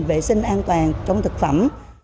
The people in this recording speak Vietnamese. vệ sinh an toàn trong thực phẩm